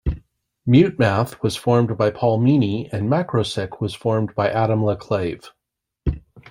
Mutemath was formed by Paul Meany, and Macrosick was formed by Adam LaClave.